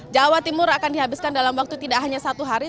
jawa timur akan dihabiskan dalam waktu tidak hanya satu hari